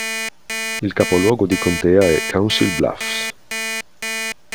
Il capoluogo di contea è Council Bluffs.